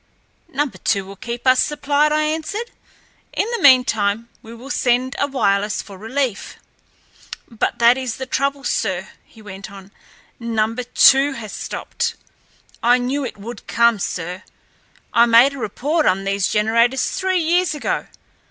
"Number two will keep us supplied," I answered. "In the meantime we will send a wireless for relief." "But that is the trouble, sir," he went on. "Number two has stopped. I knew it would come, sir. I made a report on these generators three years ago.